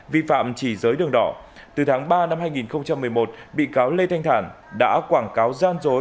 vi phạm chỉ giới đường đỏ từ tháng ba năm hai nghìn một mươi một bị cáo lê thanh thản đã quảng cáo gian dối